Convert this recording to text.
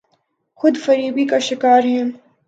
خود فریبی کا شکارہیں۔